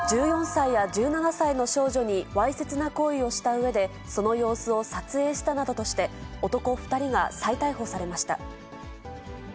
１４歳や１７歳の少女にわいせつな行為をしたうえで、その様子を撮影したなどとして、男２人が再逮捕されました。